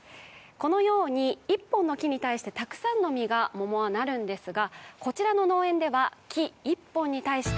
このように１本の木に対してたくさんの実が桃はなるんですがこちらの農園では木１本に対して